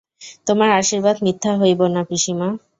তোমার আশীর্বাদ মিথ্যা হইবে না, পিসিমা।